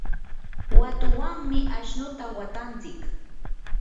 watuwanmi ashnuta watantsik.